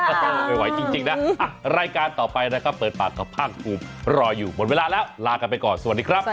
ไม่ไหวจริงนะรายการต่อไปนะครับเปิดปากกับภาคภูมิรออยู่หมดเวลาแล้วลากันไปก่อนสวัสดีครับ